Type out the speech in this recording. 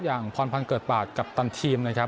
อย่างพรพันธ์เกิดปากกัปตันทีมนะครับ